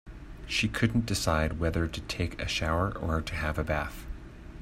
She couldn't decide whether to take a shower or to have a bath.